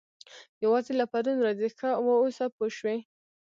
یوازې له پرون ورځې ښه واوسه پوه شوې!.